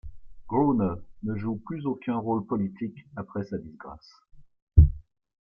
Grünne ne joue plus aucun rôle politique après sa disgrâce.